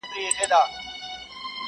مور او ورور پلان جوړوي او خبري کوي,